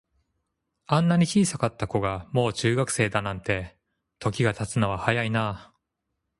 あんなに小さかった子が、もう中学生だなんて、時が経つのは早いなあ。